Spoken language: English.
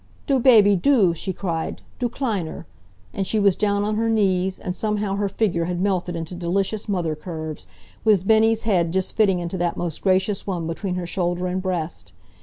"Du baby du!" she cried. "Du Kleiner! And she was down on her knees, and somehow her figure had melted into delicious mother curves, with Bennie's head just fitting into that most gracious one between her shoulder and breast.